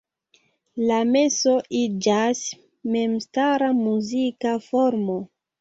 La meso iĝas memstara muzika formo.